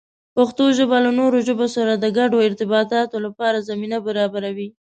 پښتو ژبه د نورو ژبو سره د ګډو ارتباطاتو لپاره زمینه برابروي.